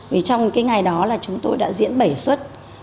vì trong cái ngày đó là chúng tôi đã diễn bảy xuất